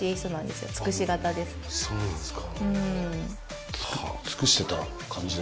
そうなんすか。